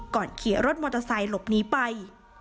ขี่รถมอเตอร์ไซค์หลบหนีไป